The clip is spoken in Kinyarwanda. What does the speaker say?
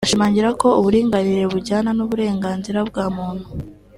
ashimangira ko uburinganire bujyana n’ uburenganzira bwa muntu